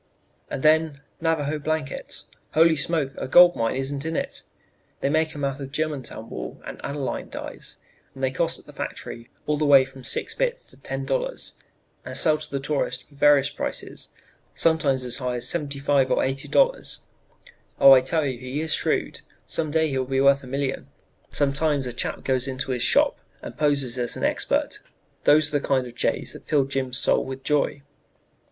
"And then, Navajo blankets. Holy smoke, a gold mine isn't in it! They make them of Germantown wool and aniline dyes, and they cost at the factory all the way from six bits to $10, and sell to the tourist for various prices; sometimes as high as $75 or $80. Oh, I tell you he is shrewd; some day he will be worth a million! "Sometimes a chap goes into his shop and poses as an expert those are the kind of jays that fill Jim's soul with joy.